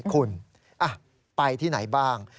คุณไปที่ไหนบ้าง